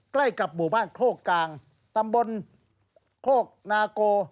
ใกล้กับหมู่บ้านโคกกลางตำบลโคกนาโก